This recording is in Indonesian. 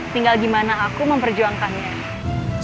tinggal gimana aku memperjuangkannya